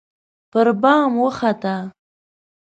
پربام وخته